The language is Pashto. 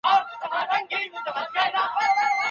منحرف کسان ټولنیز نظم ګډوډوي.